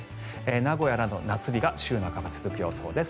名古屋など夏日が週半ば続く予想です。